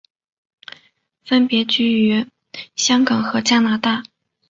分别居于香港和加拿大。